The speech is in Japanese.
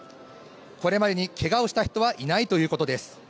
これまでにけがをした人はいないということです。